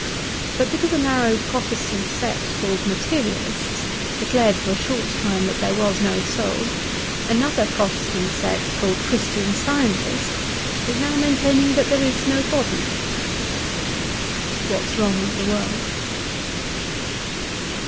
But because a narrow Protestant sect called Materialists declared for a short time that there was no soul, another narrow Protestant sect called Christian Scientist is now maintaining that there is no body. • What's Wrong with the World.''